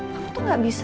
kamu tuh gak bisa